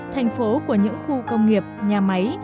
thành phố của những khu công nghiệp nhà máy